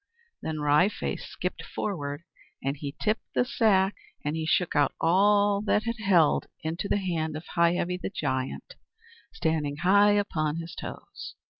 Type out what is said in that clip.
Then Wry Face skipped forward, and he tipped up the sack; and he shook out all that it held into the hand of Heigh Heavy the Giant, standing high upon his toes.